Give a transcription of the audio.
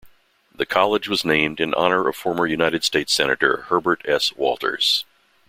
The college was named in honor of former United States Senator Herbert S. Walters.